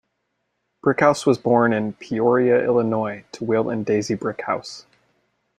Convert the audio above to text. Brickhouse was born in Peoria, Illinois, to Will and Daisy Brickhouse.